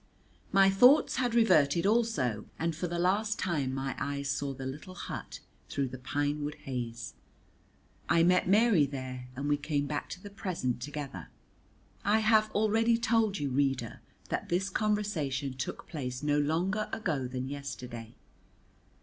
My thoughts had reverted also, and for the last time my eyes saw the little hut through the pine wood haze. I met Mary there, and we came back to the present together. I have already told you, reader, that this conversation took place no longer ago than yesterday.